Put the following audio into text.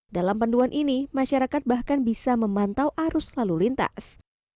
dalam panduan ini masyarakat bahkan bisa memantau arus lalu lintas